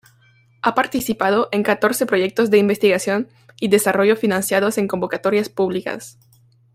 Ha participado en catorce proyectos de investigación y desarrollo financiados en convocatorias públicas.